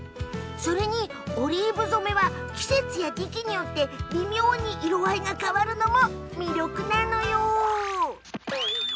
オリーブ染めは季節や時期によって微妙に色合いが変わるのも魅力よ。